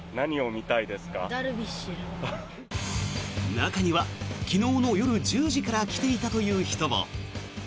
中には昨日の夜１０時から来ていたという人も。